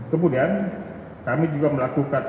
kemudian kami juga melakukan